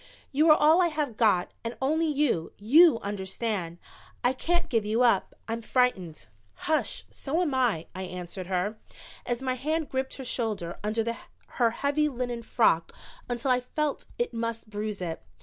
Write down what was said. "You are all I have got and only you you understand. I can't give you up. I'm frightened." "Hush so am I," I answered her, as my hand gripped her shoulder under her heavy linen frock until I felt it must bruise it.